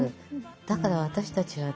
だから私たちはね